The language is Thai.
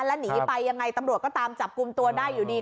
แล้วหนีไปยังไงตำรวจก็ตามจับกลุ่มตัวได้อยู่ดี